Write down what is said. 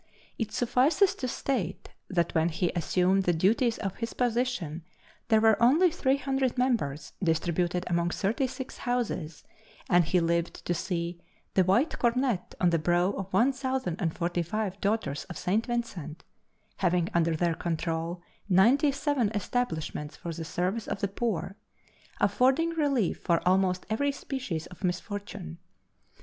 It suffices to state that when he assumed the duties of his position there were only three hundred members distributed among thirty six houses, and he lived to see the white Cornette on the brow of one thousand and forty five Daughters of St. Vincent, having under their control ninety seven establishments for the service of the poor, affording relief for almost every species of misfortune.